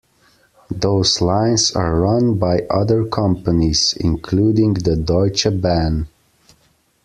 Those lines are run by other companies, including the Deutsche Bahn.